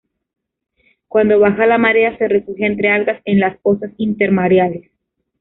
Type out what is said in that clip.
Cuando baja la marea se refugia entre algas en las pozas intermareales.